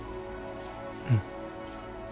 うん。